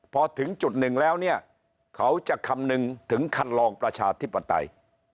พอถึงจุดหนึ่งแล้วเนี่ยเขาจะคำนึงถึงคันลองประชาธิปไตย